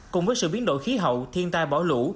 cùng với sự biến đổi khí hậu thiên tai bỏ lũ